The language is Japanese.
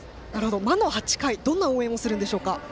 魔の８回どんな応援をするんでしょうか？